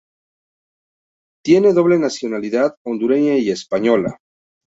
Tiene doble nacionalidad hondureña y española.